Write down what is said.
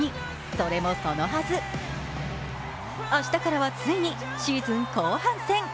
それもそのはず、明日からはついにシーズン後半戦。